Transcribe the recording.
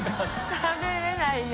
食べれないよ。